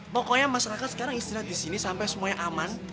pokoknya mas raka sekarang istirahat disini sampai semuanya aman